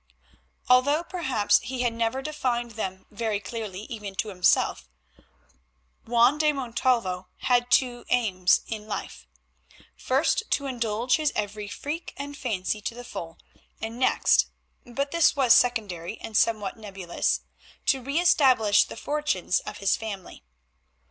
Although, perhaps, he had never defined them very clearly, even to himself, Juan de Montalvo had two aims in life: first to indulge his every freak and fancy to the full, and next—but this was secondary and somewhat nebulous—to re establish the fortunes of his family.